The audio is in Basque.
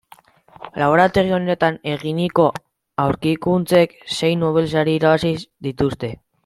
Laborategi honetan eginiko aurkikuntzek sei Nobel sari irabazi dituzte.